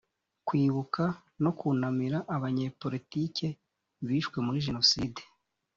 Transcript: kwibuka no kunamira abanyapolitiki bishwe muri jenoside